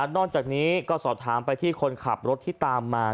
นอกจากนี้ก็สอบถามไปที่คนขับรถที่ตามมา